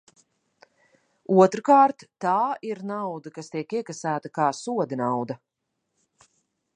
Otrkārt, tā ir nauda, kas tiek iekasēta kā sodanauda.